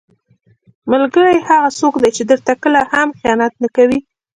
ملګری هغه څوک دی چې درته کله هم خیانت نه کوي.